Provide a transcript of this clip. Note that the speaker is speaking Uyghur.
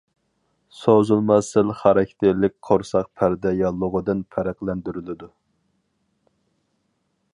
سوزۇلما سىل خاراكتېرلىك قورساق پەردە ياللۇغىدىن پەرقلەندۈرۈلىدۇ.